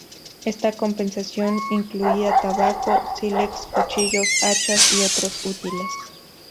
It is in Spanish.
Esta compensación incluía tabaco, sílex, cuchillos, hachas y otros útiles.